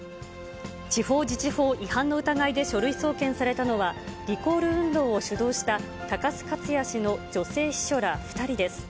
地方自治法違反の疑いで書類送検されたのは、リコール運動を主導した高須克弥氏の女性秘書ら２人です。